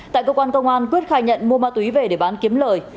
tại cơ quan công an quyết khai nhận mua ma túy về để bán kiếm lời